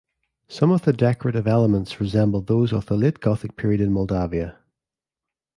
Some of the decorative elements resemble those of the late gothic period in Moldavia.